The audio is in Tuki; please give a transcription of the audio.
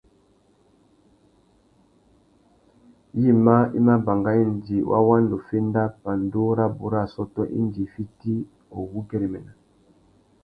Yïmá i mà banga indi wa wanda uffénda pandú rabú râ assôtô indi i fiti uwú güérémena.